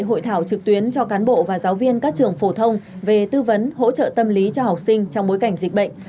hội thảo trực tuyến cho cán bộ và giáo viên các trường phổ thông về tư vấn hỗ trợ tâm lý cho học sinh trong bối cảnh dịch bệnh